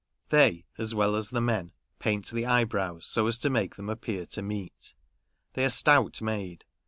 They (as well as the men) paint the eyebrows, so as to make them appear to meet. They are stout made.